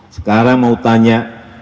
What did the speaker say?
sekarang mau tanya